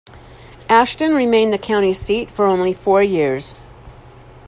Ashton remained the county seat for only four years.